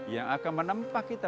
yang akan menempah kita